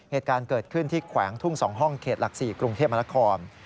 เหตุการณ์เกิดขึ้นที่แขวงทุ่ง๒ห้องเขตหลัก๔กรุงเทพมนาคม